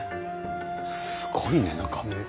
すごいね何か。